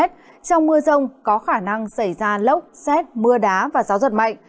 trong mưa rông có khả năng xảy ra lốc xét mưa đá và gió giật mạnh